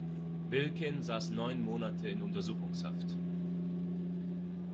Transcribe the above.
Wilkin saß neun Monate in Untersuchungshaft.